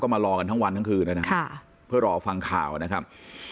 มารอกันทั้งวันทั้งคืนนะครับเพื่อรอฟังข่าวนะครับ